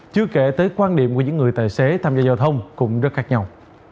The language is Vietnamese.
chưa kể tới quan điểm của những người tài xế tham gia giao thông cũng rất khác nhau